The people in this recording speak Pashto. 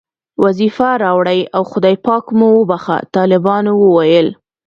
وظیفه راوړئ او خدای پاک مو وبښه، طالبانو وویل.